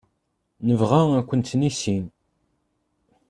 Nebɣa ad kent-nissin.